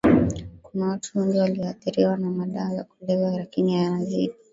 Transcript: Kuna watu wengi walioathiriwa na madawa ya kulevya lakini yanazidi